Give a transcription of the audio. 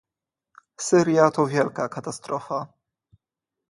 Syria to wielka katastrofa